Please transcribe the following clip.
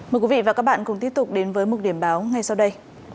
mời quý vị và các bạn cùng tiếp tục đến với mục điểm báo ngay sau đây